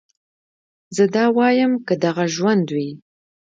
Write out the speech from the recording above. زه دا واييم که دغه ژوند وي